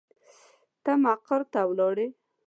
ته مقر ته ولاړې.